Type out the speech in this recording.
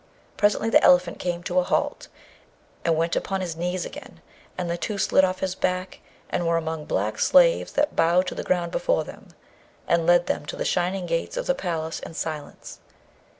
Presently the elephant came to a halt, and went upon his knees again, and the two slid off his back, and were among black slaves that bowed to the ground before them, and led them to the shining gates of the palace in silence.